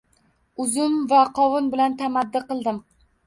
Uzum va qovun bilan tamaddi qildim.